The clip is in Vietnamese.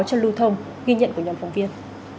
cho lưu thông ghi nhận của nhóm phóng viên